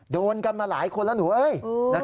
โดนกันมาหลายคนแล้วหนูเอ้ย